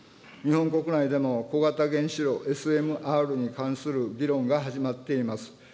日本国内でも小型原子炉・ＳＭＲに関する議論が始まっています。